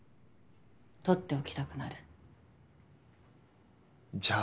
とっておきたくなるじゃあ